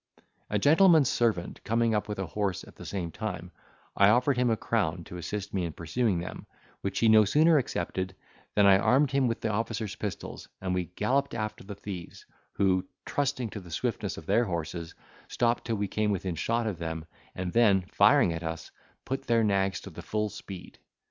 A gentleman's servant coming up with a horse at the same time, I offered him a crown to assist me in pursuing them, which he no sooner accepted, than I armed him with the officer's pistols, and we galloped after the thieves, who, trusting to the swiftness of their horses, stopped till we came within shot of them and then, firing at us, put their nags to the full speed.